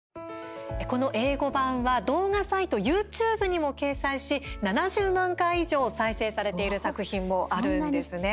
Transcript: この英語版は、動画サイトＹｏｕＴｕｂｅにも掲載し７０万回以上再生されている作品もあるんですね。